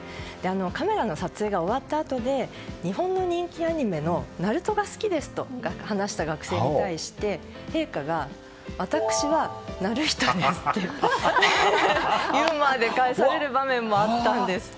カメラの撮影が終わったあとで日本の人気アニメの「ＮＡＲＵＴＯ‐ナルト‐」が好きですと話した学生に対して陛下が私は徳仁ですとユーモアで返される場面もあったんです。